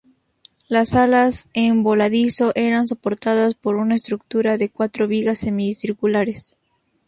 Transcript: Las alas en voladizo eran soportadas por una estructura de cuatro vigas semicirculares.